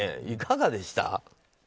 いかがでした？